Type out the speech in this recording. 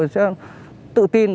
tôi sẽ tự tin